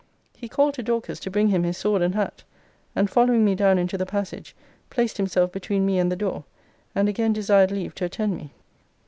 He called to Dorcas to bring him his sword and hat; and following me down into the passage, placed himself between me and the door; and again desired leave to attend me.